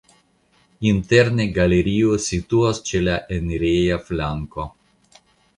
Interne galerio situas ĉe la enireja flanko.